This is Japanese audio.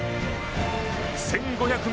１５００